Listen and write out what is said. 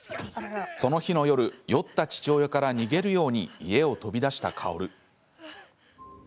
その日の夜酔った父親から逃げるように家を飛び出したカオル。